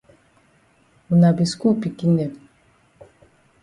Wuna be skul pikin dem.